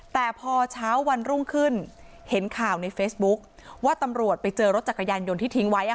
แต่พอเช้าวันรุ่งขึ้นเห็นข่าวในเฟซบุ๊คว่าตำรวจไปเจอรถจักรยานยนต์ที่ทิ้งไว้